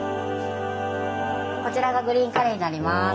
こちらがグリーンカレーになります。